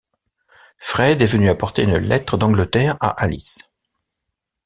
Fred est venu apporter une lettre d'Angleterre à Alice.